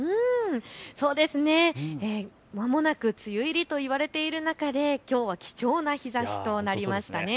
まもなく梅雨入りと言われている中できょうは貴重な日ざしとなりましたね。